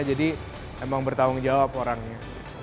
jadi memang bertanggung jawab orangnya